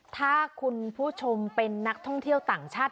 ถ้าคุณผู้ชมเป็นนักท่องเที่ยวต่างชาติ